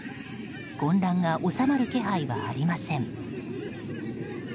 混乱が収まる気配はありません。